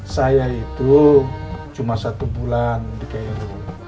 saya itu cuma satu bulan di klu